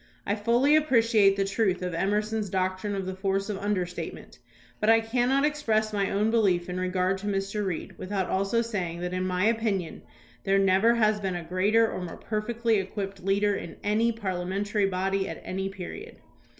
I fully appreciate the truth of Emerson's doctrine of the force of understatement, but I cannot express my own belief in regard to Mr. Reed without also saying that in my opinion there never has been a greater or more perfectly equipped leader in any parliamentary body at any period.